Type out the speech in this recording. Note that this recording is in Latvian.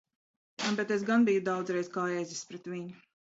Bet es gan biju daudzreiz kā ezis pret viņu!